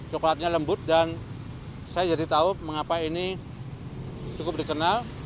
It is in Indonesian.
coklatnya lembut dan saya jadi tahu mengapa ini cukup dikenal